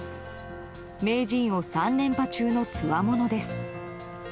名人を３連覇中のつわものです。